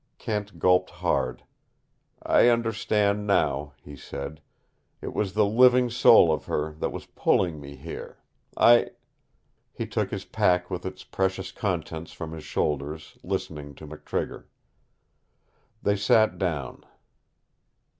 Kent gulped hard. "I understand now," he said. "It was the living soul of her that was pulling me here. I " He took his pack with its precious contents from his shoulders, listening to McTrigger. They sat down.